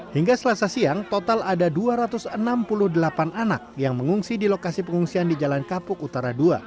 hingga selasa siang total ada dua ratus enam puluh delapan anak yang mengungsi di lokasi pengungsian di jalan kapuk utara dua